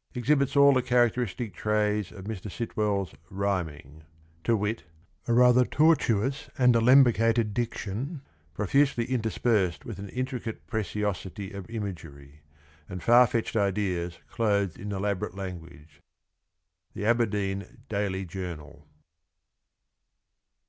] Exhibits all the characteristic traits of Mr. Sitwell's rhyming (!); to wit, a rather tortuous and alembicated diction, profusely interspersed with an intricate preciosity of imagery, and far fetched ideas clothed in elaborate language.— The Aberdeen Daily Journal.